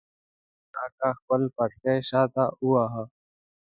حاجي کړنګ اکا خپل پټکی شاته وواهه.